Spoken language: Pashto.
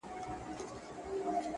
تا راته نه ويل د کار راته خبري کوه “